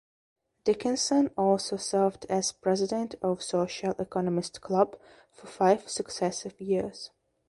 Dickinson also served as President of Social Economics Club for five successive years.